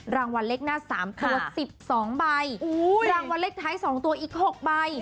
รางวัลเลขหน้า๓ตัว๑๒ใบรางวัลเลขท้าย๒ตัวอีก๖ใบ